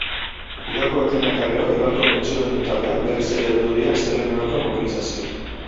Udako etena eta gero, Eibarko Pentsiodunen Taldeak berriz ere heldu die asteleheneroko mobilizazioei.